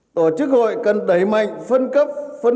tổ chức hội cần đẩy mạnh phân cấp phân